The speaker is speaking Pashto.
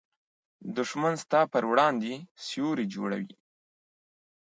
دښمن ستا پر وړاندې سیوری جوړوي